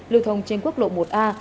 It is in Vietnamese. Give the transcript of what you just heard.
lưu thông trên quốc lộ một a